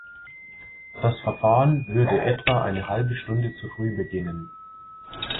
Das Verfahren würde etwa eine halbe Stunde zu früh beginnen.